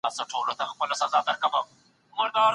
له ځان سره مهربانه چلند وکړئ.